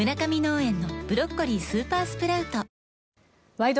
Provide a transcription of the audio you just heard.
「ワイド！